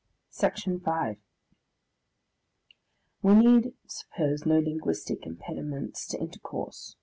Section 5 We need suppose no linguistic impediments to intercourse.